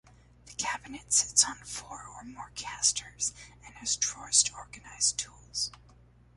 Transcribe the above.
The cabinet sits on four or more casters and has drawers to organize tools.